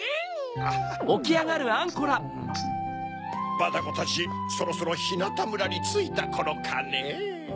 バタコたちそろそろひなたむらについたころかねぇ。